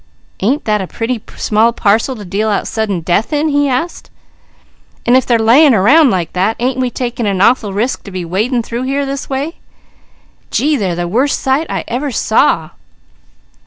"Ain't that a pretty small parcel to deal out sudden death in?" he asked. "And if they're laying round like that, ain't we taking an awful risk to be wading through here, this way? Gee, they're the worst sight I ever saw!"